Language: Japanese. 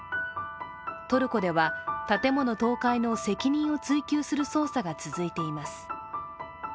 トルコでは建物倒壊の責任を追及する捜査が続いています。